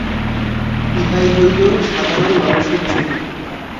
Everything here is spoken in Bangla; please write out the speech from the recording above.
ইহাই হইল সাধারণ মানুষের ছবি।